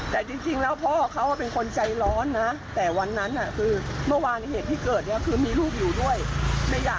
แต่จริงแล้วพ่อเขาเป็นคนใจร้อนนะแต่วันนั้นคือเมื่อวานเหตุที่เกิดเนี่ยคือมีลูกอยู่ด้วยไม่อยาก